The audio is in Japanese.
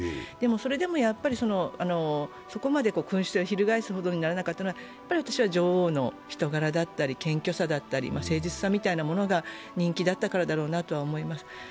それでもそこまで君主制をひるがえすほどにならなかったのは女王の人柄だったり謙虚さだったり誠実さみたいなものが人気だったからだろうなとは思います。